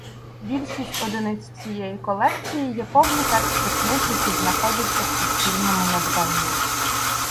Більшість одиниць цієї колекції є повні тексти книг, які знаходяться в суспільному надбанні.